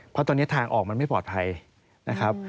เพราะตอนนี้ทางออกมันไม่ปลอดภัยนะครับ